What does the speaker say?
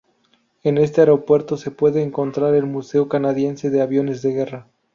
En este aeropuerto se puede encontrar el Museo Canadiense de Aviones de Guerra.